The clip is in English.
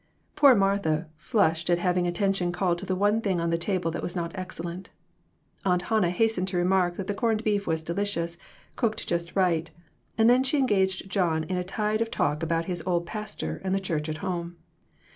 Poor Martha flushed at having attention called to the one thing on the table that was not excel lent. Aunt Hannah hastened to remark that the corned beef was delicious, cooked just right, and then she engaged John in a tide of talk about his old pastor and the church at home.